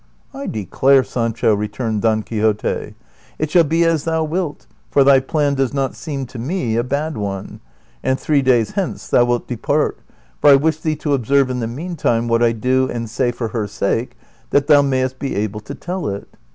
" I declare, Sancho," returned Don Quixote, " it shall be as thou wilt, for thy plan does not seem to me a bad one, and three days hence thou wilt depart, for I wish thee to observe in the mean time what I do and say for her sake, that thou mayest be able to tell it."